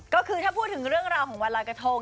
ก็คือถ้าพูดถึงเรื่องราวของวันรอยกระทง